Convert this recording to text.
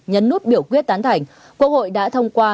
nhấn nút biểu quyết tán thành quốc hội đã thông qua